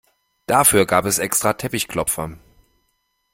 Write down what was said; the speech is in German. Dafür gab es extra Teppichklopfer.